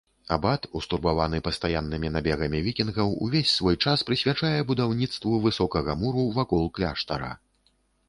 Абат, устурбаваны пастаяннымі набегамі вікінгаў, увесь свой час прысвячае будаўніцтву высокага муру вакол кляштара.